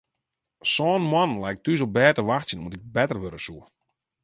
Sân moannen lei ik thús op bêd te wachtsjen oant ik better wurde soe.